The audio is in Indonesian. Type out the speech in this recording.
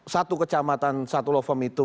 satu kecamatan satu law firm itu